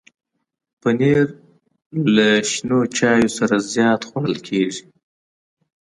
پنېر له شین چای سره زیات خوړل کېږي.